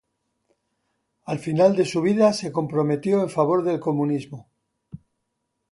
Al final de su vida se comprometió en favor del comunismo.